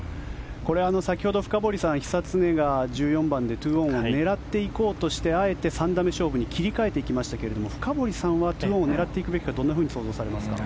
先ほど深堀さん久常が１４番で２オンを狙っていこうとしてあえて３打目勝負に切り替えていきましたが深堀さんは２オンを狙っていくかどんなふうに想像されますか。